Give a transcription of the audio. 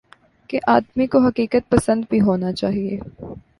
کہ آدمی کو حقیقت پسند بھی ہونا چاہیے۔